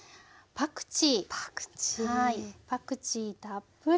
パクチーたっぷり！